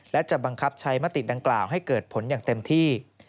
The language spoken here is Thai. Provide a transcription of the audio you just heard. และจะบังคับใช้มติดังกล่าวให้เกิดผลอย่างเต็มที่